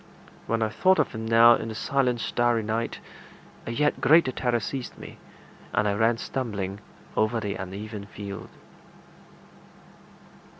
When I thought of him now in the silent starry night, a yet greater terror seized me, and I ran stumbling over the uneven field.